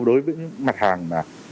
đối với những mặt hàng